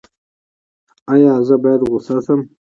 ایا زه باید غوسه شم؟